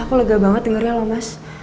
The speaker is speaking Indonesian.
kok lega banget dengarnya loh mas